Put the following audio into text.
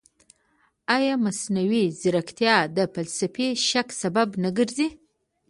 ایا مصنوعي ځیرکتیا د فلسفي شک سبب نه ګرځي؟